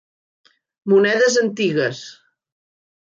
-Monedes antigues…